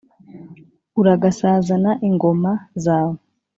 uragasazana ingoma zawe.